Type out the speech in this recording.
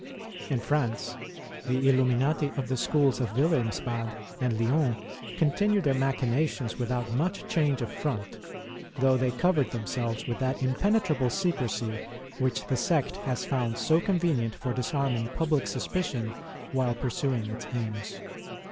In France, the Illuminati of the schools of Wilhelmsbad and Lyons continued their machinations without much change of front, though they covered themselves with that impenetrable secresy which the sect has found so convenient for disarming public suspicion while pursuing its aims.